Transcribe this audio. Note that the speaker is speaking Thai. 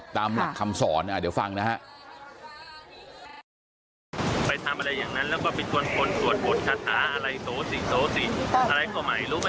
ตามหลักคำสอนเดี๋ยวฟังนะฮะ